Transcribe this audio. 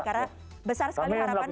karena besar sekali harapan